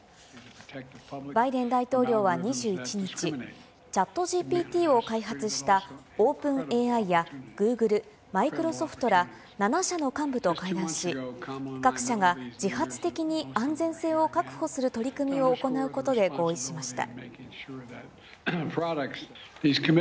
バイデン大統領は２１日、チャットＧＰＴを開発した、オープンＡＩやグーグル、マイクロソフトら７社の幹部と会談し、各社が自発的に安全性を確保する取り組みを行うことで合意しました。